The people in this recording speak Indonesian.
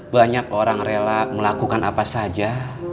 banyak orang rela melakukan apa saja